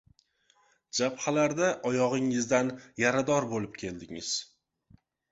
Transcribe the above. Jabhalarda oyog‘ingizdan yarador bo‘lib keldingiz!